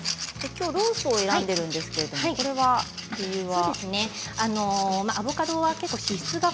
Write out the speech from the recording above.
きょうはロースを選んでいるんですけれどもこれは理由が？